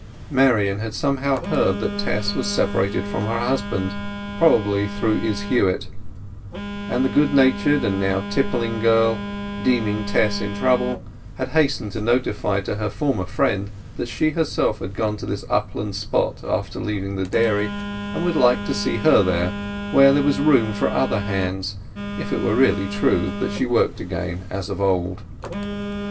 Marian had somehow heard that Tess was separated from her husband—probably through Izz Huett—and the good natured and now tippling girl, deeming Tess in trouble, had hastened to notify to her former friend that she herself had gone to this upland spot after leaving the dairy, and would like to see her there, where there was room for other hands, if it was really true that she worked again as of old.